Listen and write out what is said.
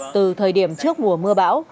từ thời điểm trước mùa mưa bão